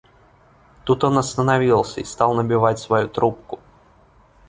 Тут он остановился и стал набивать свою трубку.